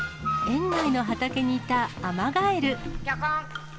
園内の畑にいたアマガエル。